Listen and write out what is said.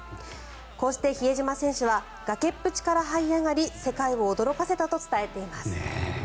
こうして比江島選手は崖っぷちからはい上がり世界を驚かせたと伝えています。